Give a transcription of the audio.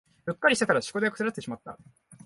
うっかりしてたら食材を腐らせてしまった